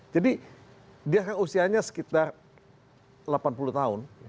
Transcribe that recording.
jadi dia kan usianya sekitar delapan puluh tahun